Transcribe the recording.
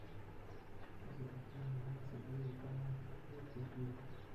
Esta tortilla rellena se fríe de forma que quede crujiente.